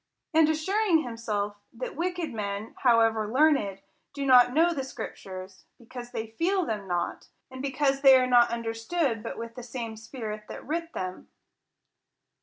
; and assuring himself, that wick ed men, however learned, do not know the scriptures, because they feel them not, and because they are not understood but with the same Spirit that writ them.